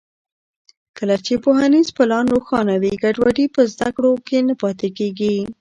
کله چې پوهنیز پلان روښانه وي، ګډوډي په زده کړو کې نه پاتې کېږي.